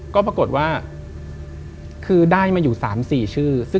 ก็ปรากฏว่าคือได้มาอยู่๓๔ชื่อ